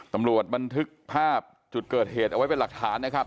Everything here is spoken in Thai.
บันทึกภาพจุดเกิดเหตุเอาไว้เป็นหลักฐานนะครับ